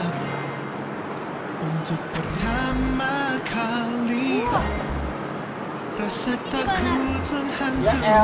balonnya terbang lagi